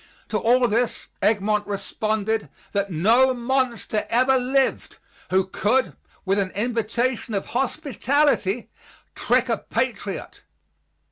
To all this Egmont responded that no monster ever lived who could, with an invitation of hospitality, trick a patriot.